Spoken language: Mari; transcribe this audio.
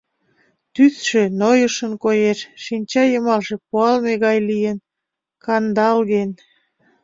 Тӱсшӧ нойышын коеш, шинча йымалже пуалме гай лийын, кандалген.